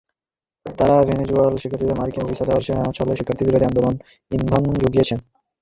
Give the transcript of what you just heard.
তাঁরা ভেনেজুয়েলার শিক্ষার্থীদের মার্কিন ভিসা দেওয়ার ছলে সরকারবিরোধী আন্দোলনে ইন্ধন জুগিয়েছেন।